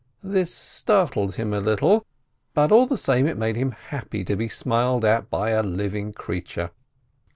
This startled him a little, but all the same it made him happy to be smiled at by a living creature.